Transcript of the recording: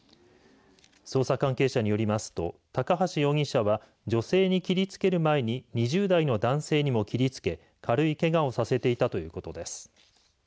捜査関係者によりますと高橋容疑者は女性に切りつける前に２０代の男性にも切りつけ軽いけがをさせていたということです。